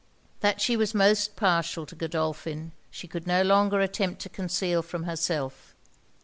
That she was most partial to Godolphin, she could no longer attempt to conceal from herself.